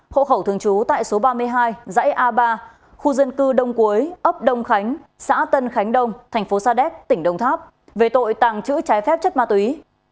hộ khẩu thường trú tại số ba mươi hai dãy a ba khu dân cư đông cuối ấp đông khánh xã tân khánh đông thành phố sa đéc tỉnh đông tháp về tội tàng trữ trái phép chất ma túy